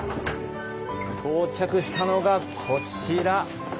到着したのがこちら。